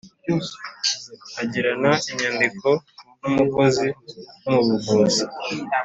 agirana inyandiko n umukozi wo mu buvuzi